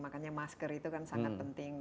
makanya masker itu kan sangat penting